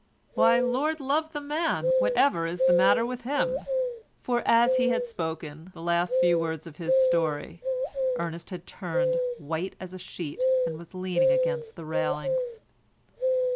Why, Lord love the man, whatever is the matter with him?"—for as he had spoken the last few words of his story Ernest had turned white as a sheet, and was leaning against the railings.